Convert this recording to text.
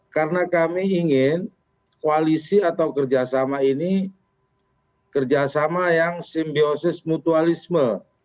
karena kami ingin koalisi atau kerjasama ini kerjasama yang simbiosis mutualisme